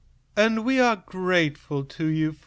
"And we are grateful to you."